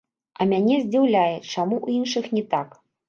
А мяне здзіўляе, чаму ў іншых не так?